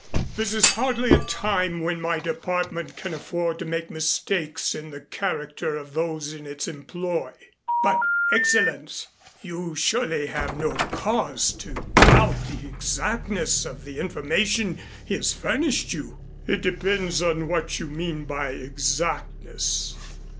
This is hardly a time when my department can afford to make mistakes in the character of those in its employ." "But, Excellenz, you surely have no cause to doubt the exactness of the information he has furnished you!" "It depends upon what you mean by exactness.